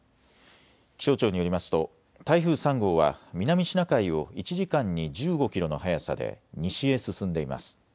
気象庁によりますと台風３号は南シナ海を１時間に１５キロの速さで西へ進んでいます。